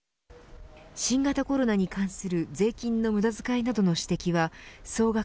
新型コロナに関する税金の無駄遣いなどの指摘は総額